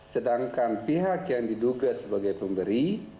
sedangkan pihak yang diduga sebagai pemberi